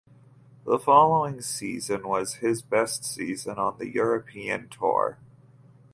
The following season was his best season on the European Tour.